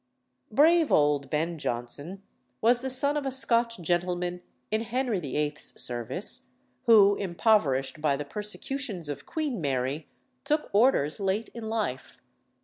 Brave old Ben Jonson was the son of a Scotch gentleman in Henry VIII.'s service, who, impoverished by the persecutions of Queen Mary, took orders late in life.